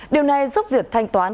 điều này giúp việc thanh toán